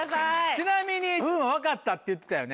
ちなみに風磨分かったって言ってたよね。